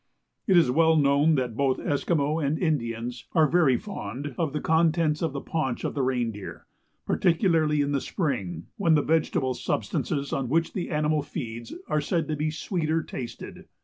It is well known that both Esquimaux and Indians are very fond of the contents of the paunch of the rein deer, particularly in the spring, when the vegetable substances on which the animal feeds are said to be sweeter tasted.